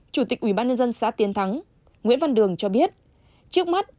chủ tịch ubnd xã tiến thắng nguyễn văn đường cho biết trước mắt